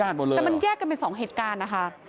แต่มันแยกกันเป็นสองเหตุการณ์นะคะ